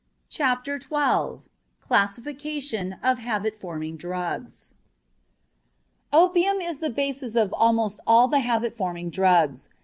CHAPTER XII CLASSIFICATION OF HABIT FORMING DRUGS Opium is the basis of almost all the habit forming drugs.